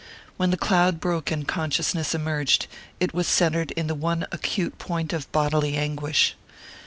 When the cloud broke and consciousness emerged, it was centred in the one acute point of bodily anguish.